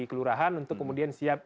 kelurahan untuk kemudian siap